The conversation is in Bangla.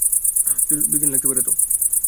দুই দিন লাগতে পারে?